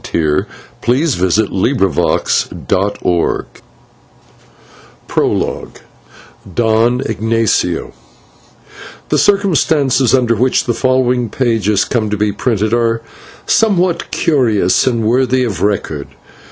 PREPARER'S NOTE HEART OF THE WORLD PROLOGUE DON IGNATIO The circumstances under which the following pages come to be printed are somewhat curious and worthy of record.